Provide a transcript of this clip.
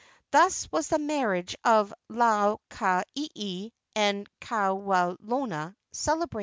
Thus was the marriage of Lau ka ieie and Kawelona celebrated.